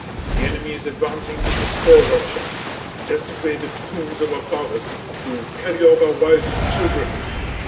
The enemy is advancing to destroy Russia, to desecrate the tombs of our fathers, to carry off our wives and children."